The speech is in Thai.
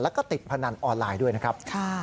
แล้วก็ติดพนันออนไลน์ด้วยนะครับ